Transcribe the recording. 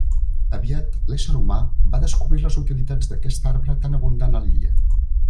Aviat, l'ésser humà va descobrir les utilitats d'aquest arbre tan abundant a l'illa.